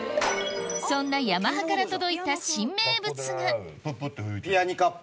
そんなヤマハから届いた新名物がピアニカっぽい。